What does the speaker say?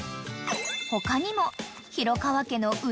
［他にも］